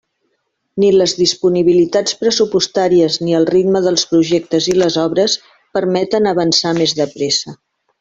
Ni les disponibilitats pressupostàries ni el ritme dels projectes i les obres permeten avançar més de pressa.